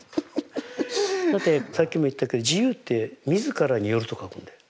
だってさっきも言ったけど「自由」って自らに由ると書くんだよ。